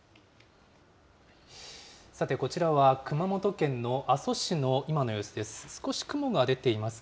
さてこちらは、熊本県の阿蘇市の今の様子です。